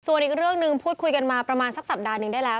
ส่วนอีกเรื่องหนึ่งพูดคุยกันมาประมาณสักสัปดาห์หนึ่งได้แล้ว